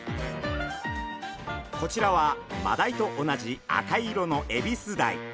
こちらはマダイと同じ赤色のエビスダイ。